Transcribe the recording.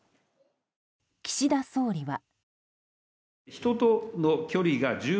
岸田総理は。